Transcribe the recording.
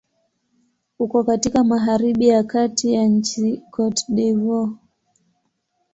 Uko katika magharibi ya kati ya nchi Cote d'Ivoire.